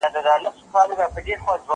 زه کولای شم اوبه وڅښم!